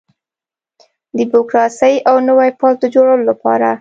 د بیروکراسۍ او نوي پوځ د جوړولو لپاره.